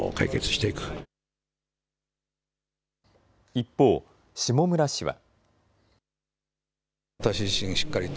一方、下村氏は。